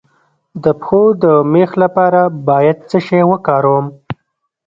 د پښو د میخ لپاره باید څه شی وکاروم؟